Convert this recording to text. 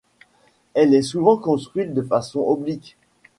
Elle est souvent construite de façon oblique.